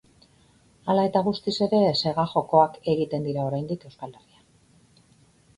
Hala eta guztiz ere, sega-jokoak egiten dira oraindik Euskal Herrian.